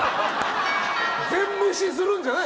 全無視するんじゃない！